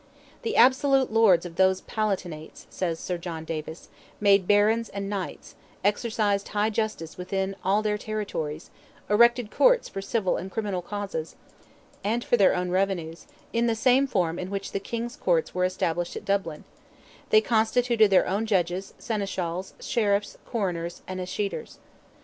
"The absolute lords of those palatinates," says Sir John Davis, "made barons and knights, exercised high justice within all their territories; erected courts for civil and criminal causes, and for their own revenues, in the same form in which the king's courts were established at Dublin; they constituted their own judges, seneschals, sheriffs, coroners, and escheators."